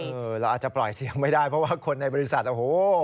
เราอาจจะปล่อยเสียงไม่ได้เพราะว่าคนในบริษัทโอ้โห